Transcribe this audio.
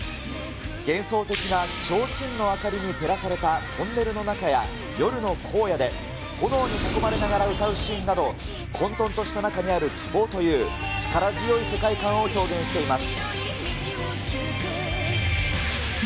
幻想的なちょうちんの明かりに照らされたトンネルの中や夜の荒野で炎に囲まれながら歌うシーンなど、混とんとした中にある希望という力強い世界観を表現しています。